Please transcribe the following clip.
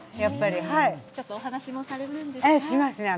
ちょっとお話しもされるんでしますね。